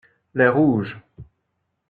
Les rouges.